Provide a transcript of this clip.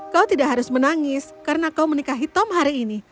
kau tidak harus menangis karena kau menikahi tom hari ini